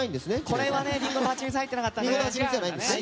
これはね、リンゴとハチミツ入ってなかったね。